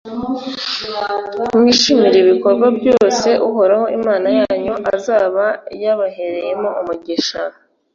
mwishimire ibikorwa byose uhoraho imana yanyu azaba yabahereyemo umugisha.